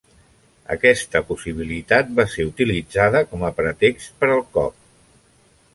Aquesta possibilitat va ser utilitzada com a pretext per al cop.